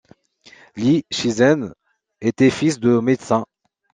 Li Shizhen était fils de médecin.